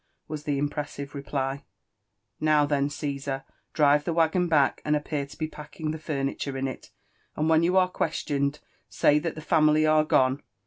was the impfessivc reply. Now then, Caesar, drive the waggon back, and appear lo be packing the furniture in it; and when you are questioned, say that the family are gone.